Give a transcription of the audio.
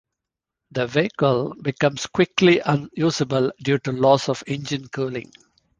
The vehicle becomes quickly unusable due to loss of engine cooling.